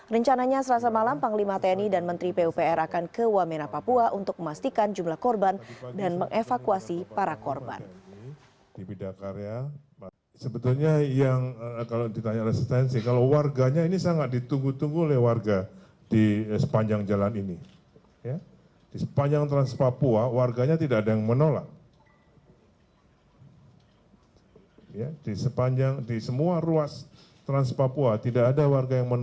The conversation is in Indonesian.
rencananya selasa malam panglima tni dan menteri pupr akan ke wamena papua untuk memastikan jumlah korban dan mengevakuasi para korban